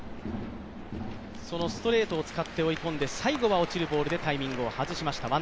そのストレートを使って追い込んで最後は落ちるボールでタイミングを外しました。